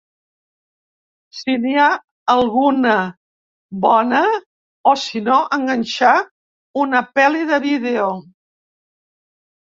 Si n'hi ha alguna bona, o sinó enganxar una peli de vídeo.